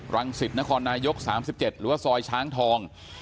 รังศิษย์นครนายก๓๗หรือซอยช้างทอง